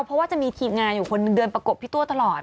เพราะว่าจะมีทีมงานอยู่คนหนึ่งเดินประกบพี่ตัวตลอด